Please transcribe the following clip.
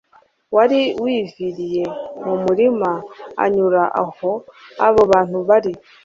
wari wiviriye mu murima, anyura aho abo bantu bari.